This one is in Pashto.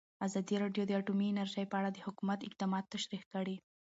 ازادي راډیو د اټومي انرژي په اړه د حکومت اقدامات تشریح کړي.